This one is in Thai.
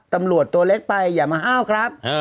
ตำรวจตัวเล็กไปอย่ามาอ้าวครับ